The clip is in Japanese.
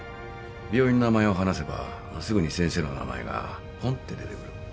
病院の名前を話せばすぐに先生の名前がぽんって出てくる。